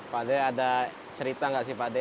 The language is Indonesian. pak d ada cerita nggak sih pak d